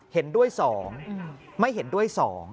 เห็นด้วย๒ไม่เห็นด้วย๒